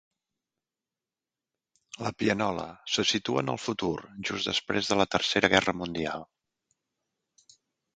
"La pianola" se situa en el futur, just després de la Tercera Guerra Mundial.